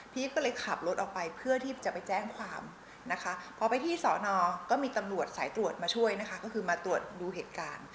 ก็เลยขับรถออกไปเพื่อที่จะไปแจ้งความนะคะพอไปที่สอนอก็มีตำรวจสายตรวจมาช่วยนะคะก็คือมาตรวจดูเหตุการณ์